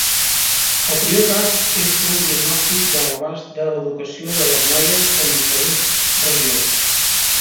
El primer pas és fer un diagnòstic de l'abast de l'educació de les noies en diferents regions.